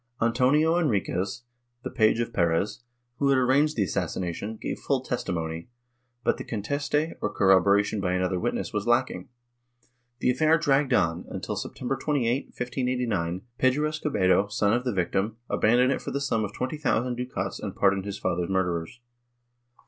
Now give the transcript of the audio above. Antonio Enriquez, the page of Perez, who had arranged the assassination, gave full testimony, but the conteste, or corroboration by another witness was lacking. The affair dragged on, until, September 28, 1589, Pedro Escobedo, son of the victim, abandoned it for the sum of twenty thousand ducats and pardoned his father's murderers.